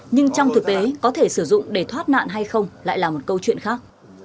nhưng trong thực tế có thể sử dụng để thoát nạn hay không lại là một câu chuyện khác